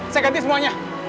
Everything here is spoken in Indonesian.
saya ganti semuanya